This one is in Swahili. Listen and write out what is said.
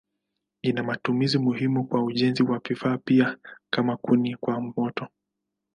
Ina matumizi muhimu kwa ujenzi na vifaa pia kama kuni kwa moto.